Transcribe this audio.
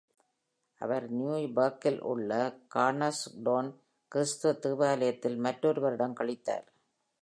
அவர் நியூபர்க்கில் உள்ள கார்னர்ஸ்டோன் கிறிஸ்துவ தேவாலயத்தில் மற்றொரு வருடம் கழித்தார்.